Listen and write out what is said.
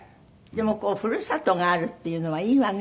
でもふるさとがあるっていうのはいいわね。